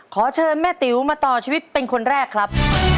ขอเชิญแม่ติ๋วมาต่อชีวิตเป็นคนแรกครับ